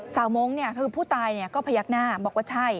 มงค์คือผู้ตายก็พยักหน้าบอกว่าใช่